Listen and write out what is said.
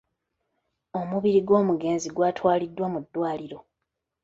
Omubiri gw'omugenzi gwatwaliddwa mu ddwaliro.